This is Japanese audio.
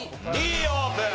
Ｄオープン！